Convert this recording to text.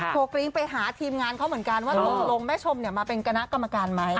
กรกริ้งไปหาทีมงานเขาเหมือนกันว่าตกลงแม่ชมมาเป็นคณะกรรมการไหม